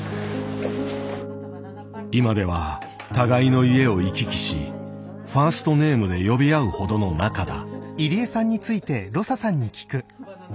今では互いの家を行き来しファーストネームで呼び合うほどの仲だ。